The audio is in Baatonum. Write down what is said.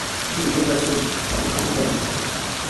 Dii be ga sum, a ku baba.